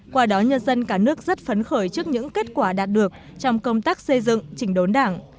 qua đó nhân dân cả nước rất phấn khởi trước những kết quả đạt được trong công tác xây dựng chỉnh đốn đảng